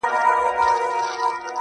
زه د ملي بیرغ په رپ ـ رپ کي اروا نڅوم.